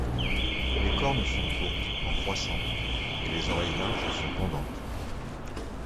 Les cornes sont courtes en croissant et les oreilles larges sont pendantes.